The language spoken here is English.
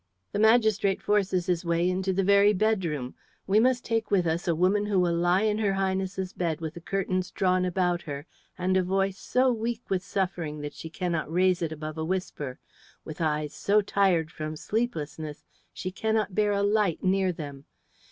"The magistrate forces his way into the very bedroom. We must take with us a woman who will lie in her Highness's bed with the curtains drawn about her and a voice so weak with suffering that she cannot raise it above a whisper, with eyes so tired from sleeplessness she cannot bear a light near them.